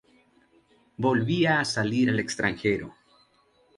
Volvía a salir al extranjero.